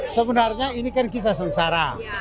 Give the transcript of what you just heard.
sebenarnya ini kan kisah sengsara